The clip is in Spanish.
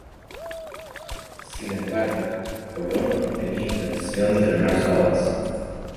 Sin embargo, Colonna no tenía intención de frenar su avance.